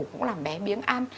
cũng làm bé biếng ăn